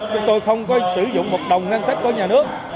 chúng tôi không có sử dụng một đồng ngân sách của nhà nước